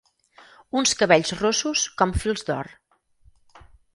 Uns cabells rossos com fils d'or.